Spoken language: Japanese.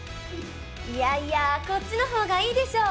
いやいやこっちの方がいいでしょ！